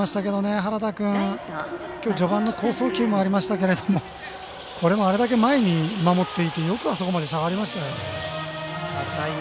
原田君、きょう序盤の好送球もありましたけどこれもあれだけ前に守っていてあそこまで下がりましたね。